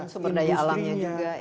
sumber daya alamnya juga